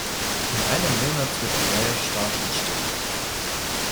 In einem Monat wird ein neuer Staat entstehen.